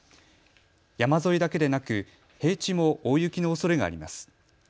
山沿いだけでなく平地も大雪のおそれがあります。